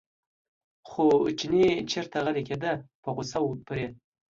خو چینی چېرته غلی کېده په غوسه و پرې.